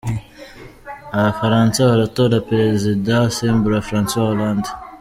Abafaransa baratora Perezida usimbura Francois Hollande .